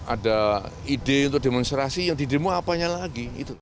ada ide untuk demonstrasi yang tidak mau apanya lagi